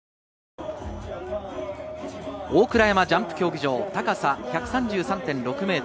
大倉山ジャンプ競技場、高さ１３３．６ｍ。